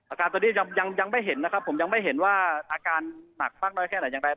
อาการตอนนี้ยังไม่เห็นนะครับผมยังไม่เห็นว่าอาการหนักมากน้อยแค่ไหนอย่างไร